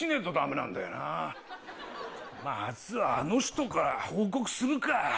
まずはあの人から報告するか。